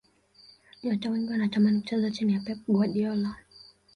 nyota wengi wanatamani kucheza chini ya pep guardiola